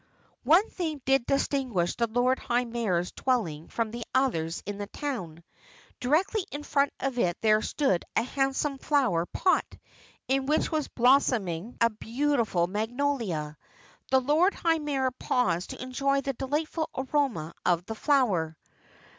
One thing did distinguish the Lord High Mayor's dwelling from the others in the town. Directly in front of it there stood a handsome flower pot in which was blossoming a beautiful magnolia. The Lord High Mayor paused to enjoy the delightful aroma of the flower.